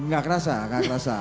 gak ngerasa gak ngerasa